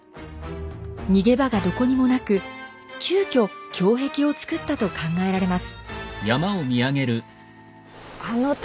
逃げ場がどこにもなく急遽胸壁を造ったと考えられます。